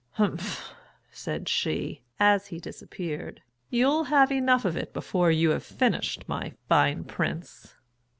"Humph," said she, as he disappeared, "you'll have enough of it before you have finished, my fine prince."